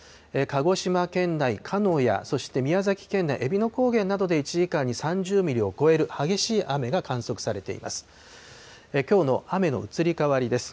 鹿児島県内鹿屋、そして宮崎県内えびの高原などで１時間に３０ミリを超える激しい雨が観測されています。